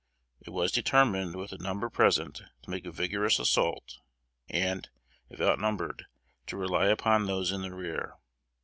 It was determined with the number present to make a vigorous assault, and, if outnumbered, to rely upon those in the rear.